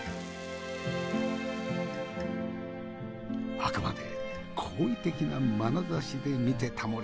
あくまで好意的なまなざしで見てたもれ。